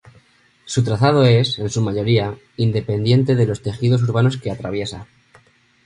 Su trazado es, en su mayoría, independiente de los tejidos urbanos que atraviesa.